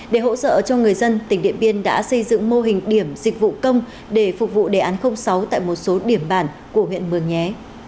để hỗ trợ cho người dân tỉnh điện biên đã xây dựng mô hình điểm dịch vụ công để phục vụ đề án sáu tại một số điểm bản của huyện mường nhé